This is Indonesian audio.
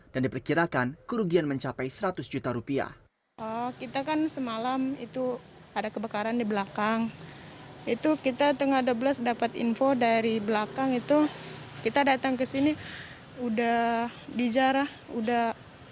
dan diperkirakan kerugian mencapai seratus juta rupiah